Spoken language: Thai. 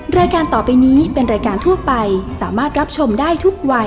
รายการต่อไปนี้เป็นรายการทั่วไปสามารถรับชมได้ทุกวัย